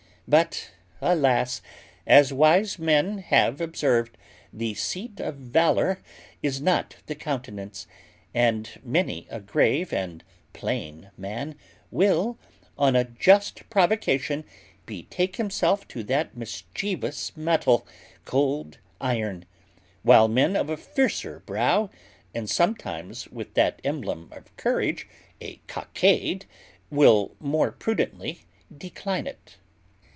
But, alas! as wise men have observed, the seat of valour is not the countenance; and many a grave and plain man will, on a just provocation, betake himself to that mischievous metal, cold iron; while men of a fiercer brow, and sometimes with that emblem of courage, a cockade, will more prudently decline it.